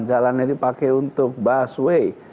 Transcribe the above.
jalan ini pakai untuk busway